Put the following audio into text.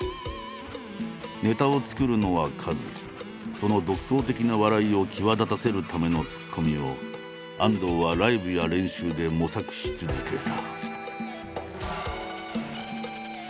その独創的な笑いを際立たせるためのツッコミを安藤はライブや練習で模索し続けた。